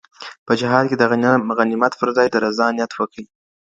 په جهاد کي د غنیمت پر ځای د رضا نیت وکئ.